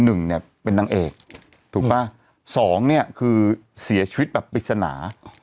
หนึ่งเนี่ยเป็นนางเอกถูกป่ะสองเนี่ยคือเสียชีวิตแบบปริศนา